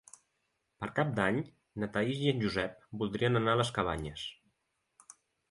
Per Cap d'Any na Thaís i en Josep voldrien anar a les Cabanyes.